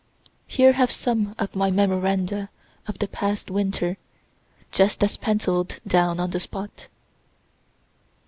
Here are some of my memoranda of the past winter, just as pencill'd down on the spot.